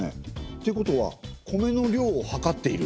ということは米の量を量っている？